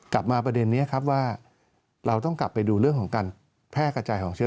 ประเด็นนี้ครับว่าเราต้องกลับไปดูเรื่องของการแพร่กระจายของเชื้อ